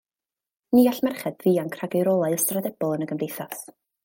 Ni all merched ddianc rhag eu rolau ystrydebol yn y gymdeithas.